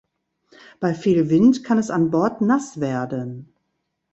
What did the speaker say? Bei viel Wind kann es an Bord nass werden.